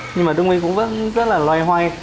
nhưng mà đức minh cũng rất là loay hoay